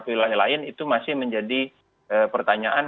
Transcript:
atau beberapa wilayah lain itu masih menjadi pertanyaan